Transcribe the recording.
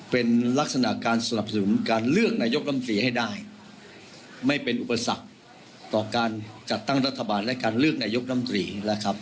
เป็นลักษณะการสนับสนุนการเลือกนายกรรมตรีให้ได้ไม่เป็นอุปสรรคต่อการจัดตั้งรัฐบาลและการเลือกนายกรรมตรีนะครับ